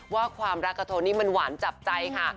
ว่าความรักกับโทนี่มันหวานจับใจค่ะ